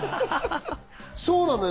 そうなのよ。